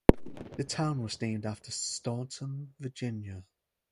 The town was named after Staunton, Virginia.